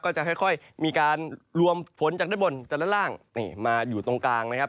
จะค่อยมีการรวมฝนจากด้านบนจากด้านล่างนี่มาอยู่ตรงกลางนะครับ